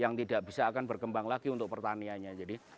yang tidak bisa akan bergembang lagi untuk pertanianya